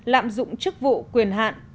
lạm dụng chức vụ quyền hạn